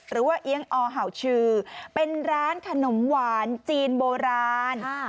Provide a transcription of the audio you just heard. เอี๊ยงอเห่าชื่อเป็นร้านขนมหวานจีนโบราณ